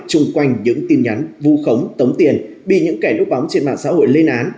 chung quanh những tin nhắn vu khống tống tiền bị những kẻ đốt bóng trên mạng xã hội lên án